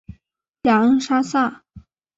雅恩莎撒。